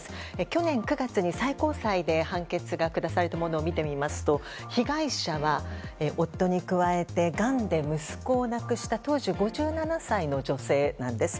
去年９月に最高裁で判決が下されたものを見てみますと、被害者は夫に加えてがんで息子を亡くした当時５７歳の女性なんです。